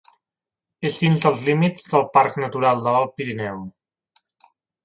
És dins dels límits del Parc Natural de l'Alt Pirineu.